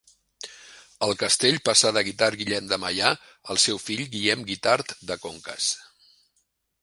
El castell passà de Guitard Guillem de Meià al seu fill Guillem Guitard de Conques.